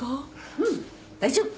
うん大丈夫。